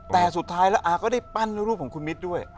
แต่สุดท้ายแล้วอาก็ได้ปั้นรูปของคุณมิตรด้วย